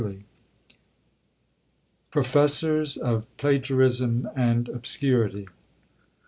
] PROFESSORS OF PLAGIARISM AND OBSCURITY.